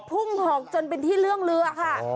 หอกจนเป็นที่เรื่องเรือค่ะ